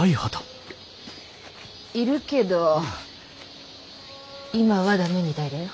いるけど今は駄目みたいだよ。